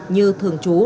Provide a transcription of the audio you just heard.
như thường truyền